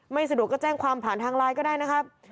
ไม่สะดวกก็แจ้งความผ่านทางไลน์ก็ได้นะครับ